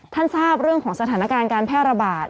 ทราบเรื่องของสถานการณ์การแพร่ระบาด